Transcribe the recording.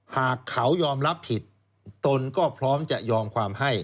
หากเขายอมรับผิดตนก็พร้อมจะยอมความให้